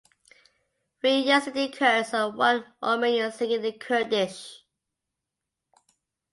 Three Yazidi Kurds and one Armenian singing in Kurdish.